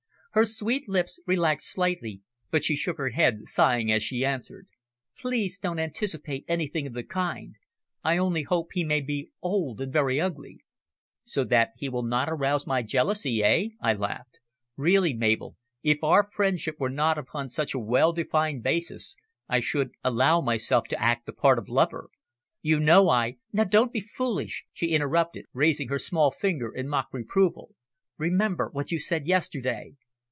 Her sweet lips relaxed slightly, but she shook her head, sighing as she answered "Please don't anticipate anything of the kind. I only hope he may be old and very ugly." "So that he will not arouse my jealousy eh?" I laughed. "Really, Mabel, if our friendship were not upon such a well defined basis, I should allow myself to act the part of lover. You know I " "Now don't be foolish," she interrupted, raising her small finger in mock reproval. "Remember what you said yesterday."